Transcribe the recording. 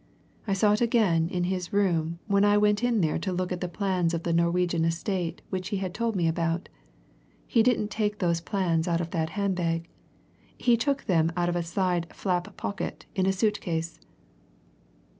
I saw it again in his room when I went in there to look at the plans of the Norwegian estate which he had told me about. He didn't take those plans out of that hand bag; he took them out of a side flap pocket in a suit case."